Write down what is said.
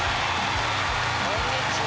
こんにちは。